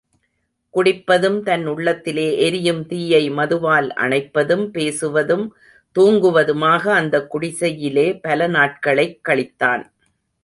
குடிப்பதும், தன் உள்ளத்திலே எரியும் தீயை மதுவால் அணைப்பதும், பேசுவதும், தூங்குவதுமாக அந்தக் குடிசையிலே பல நாட்களைக் கழித்தான்.